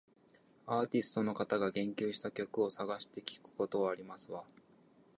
アーティストの方が言及した曲を探して聞くことはありますわ